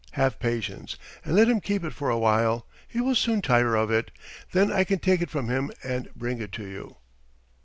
Have patience, and let him keep it for a while; he will soon tire of it. Then I can take it from him and bring it to you."